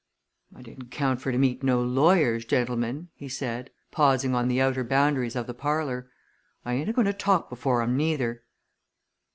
"I didn't count for to meet no lawyers, gentlemen," he said, pausing on the outer boundaries of the parlour, "I ain't a goin' to talk before 'em, neither!"